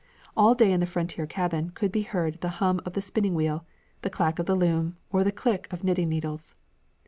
All day in the frontier cabin could be heard the hum of the spinning wheel, the clack of the loom, or the click of knitting needles.